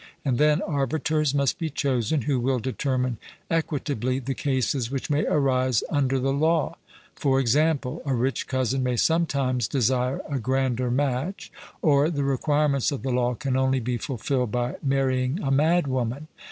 And then arbiters must be chosen, who will determine equitably the cases which may arise under the law: e.g. a rich cousin may sometimes desire a grander match, or the requirements of the law can only be fulfilled by marrying a madwoman.